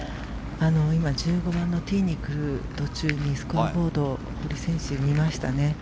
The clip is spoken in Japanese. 今、１５番のティーに来る途中にスコアボードを堀選手、見ましたね。